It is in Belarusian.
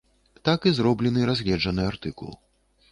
Так і зроблены разгледжаны артыкул.